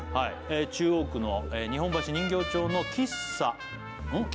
中央区の日本橋人形町の喫茶うん？